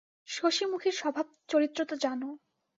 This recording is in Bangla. শশিমুখীর স্বভাবচরিত্র তো জান।